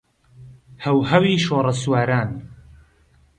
هەوهەوی شۆڕەسواران